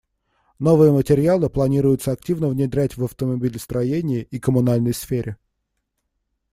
Новые материалы планируется активно внедрять в автомобилестроении и коммунальной сфере.